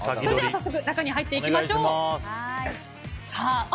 早速中に入っていきましょう。